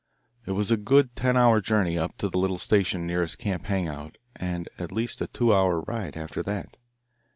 It was a good ten hour journey up to the little station nearest Camp Hang out and at least a two hour ride after that.